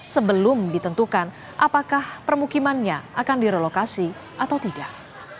sebelum ditentukan apakah permukimannya akan direlokasi atau tidak